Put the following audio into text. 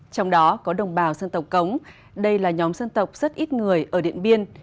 trong đó có đồng bào dân tộc cống đây là nhóm dân tộc rất ít người ở điện biên